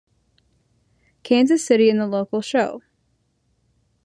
Kansas City" and "The Local Show".